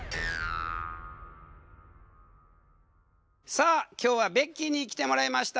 さあ今日はベッキーに来てもらいました。